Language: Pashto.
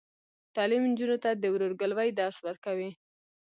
تعلیم نجونو ته د ورورګلوۍ درس ورکوي.